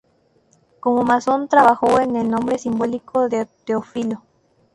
Como masón trabajó con el nombre simbólico de "Teófilo".